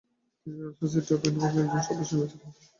তিনি royal society of এডিনবার্গের একজন সদস্য নির্বাচিত হয়েছিলেন।